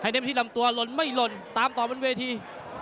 ไฮเนมที่ลำตัวลนไม่ลนตามต่อบนเวที